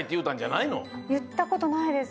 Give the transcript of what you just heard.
いったことないです。